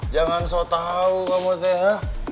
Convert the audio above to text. jangan so tau kamu itu ya